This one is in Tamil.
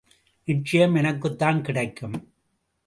நிச்சயம், எனக்குத்தான் கிடைக்கும்.